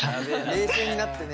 冷静になってね。